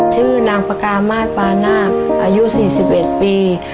ชื่อนางปากามาสปานาคอายุ๔๑ปี